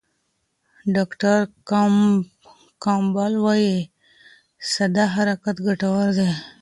ډاکټر کمپبل وايي ساده حرکت ګټور دی.